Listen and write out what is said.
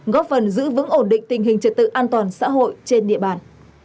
góp phần giữ vững ổn định tình hình trật tự an toàn xã hội trên địa bàn